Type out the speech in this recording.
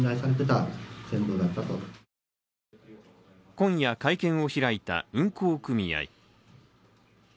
今夜、会見を開いた運航組合。